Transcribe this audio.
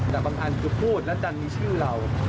แต่บางอันคือพูดแล้วจันทร์มีชื่อเรา